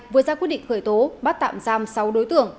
vừa ra quyết định khởi tố bắt tạm giam sáu đối tượng